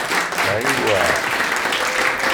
Aywa!